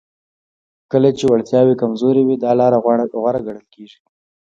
کله چې وړتیاوې کمزورې وي دا لاره غوره ګڼل کیږي